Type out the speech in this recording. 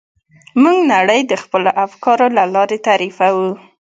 موږ نړۍ د خپلو افکارو له لارې تعریفوو.